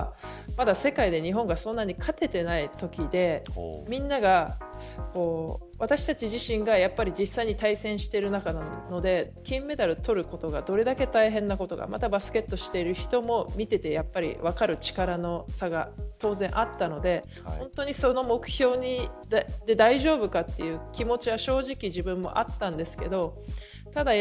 ５年前は世界で日本がそんなに勝てていないときで私たち自身が、実際に対戦している中で金メダルを取ることがどれだけ大変なことかバスケットをしている人も見てて分かる力の差が当然あったのでその目標に大丈夫かという気持ちは、正直自分もあったんですけどただ、